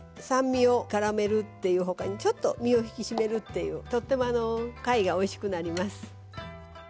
酸味をからめるっていうほかにちょっと身を引き締めるっていうとってもあの貝がおいしくなります。